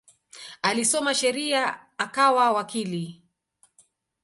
Alisoma sheria akawa wakili.